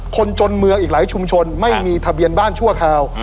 คนจนเมืองอีกหลายชุมชนไม่มีทะเบียนบ้านชั่วคราว